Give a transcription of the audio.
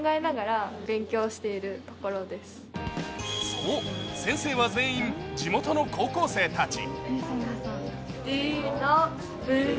そう、先生は全員地元の高校生たち。